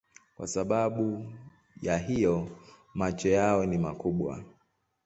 Kwa sababu ya hiyo macho yao ni makubwa.